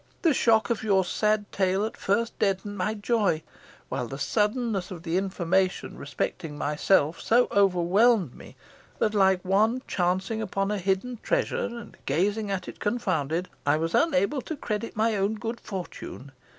The shock of your sad tale at first deadened my joy, while the suddenness of the information respecting myself so overwhelmed me, that like one chancing upon a hidden treasure, and gazing at it confounded, I was unable to credit my own good fortune.